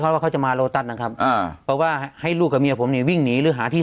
เพราะว่าเขาจะมาโลตัสนะครับอ่าเพราะว่าให้ลูกกับเมียผมเนี่ยวิ่งหนีหรือหาที่